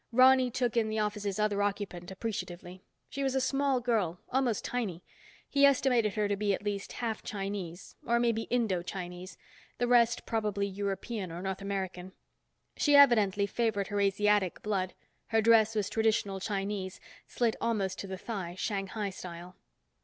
Ronny took in the office's other occupant appreciatively. She was a small girl, almost tiny. He estimated her to be at least half Chinese, or maybe Indo Chinese, the rest probably European or North American. She evidently favored her Asiatic blood, her dress was traditional Chinese, slit almost to the thigh Shanghai style.